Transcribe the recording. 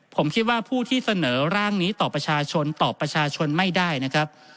ผมคิดว่าผู้ที่เสนอร่างนี้ต่อประชาชนตอบประชาชนไม่ได้นะครับ